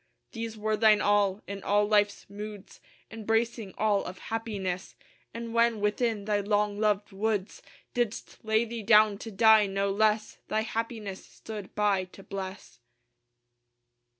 These were thine all: in all life's moods Embracing all of happiness: And when within thy long loved woods Didst lay thee down to die, no less Thy happiness stood by to bless.